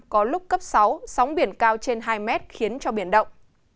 có lúc cấp sáu sóng biển cao trên hai mét khiến cho biển động